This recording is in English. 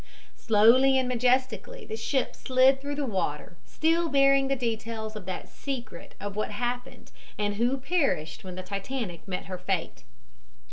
Slowly and majestically the ship slid through the water, still bearing the details of that secret of what happened and who perished when the Titanic met her fate.